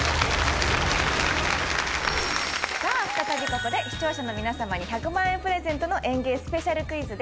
さあ再びここで視聴者の皆さまに１００万円プレゼントの『ＥＮＧＥＩ』スペシャルクイズです。